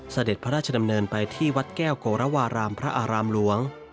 เสด็จพระราชดำเนินไปที่วัดแก้วโกรวารามพระอารามหลวง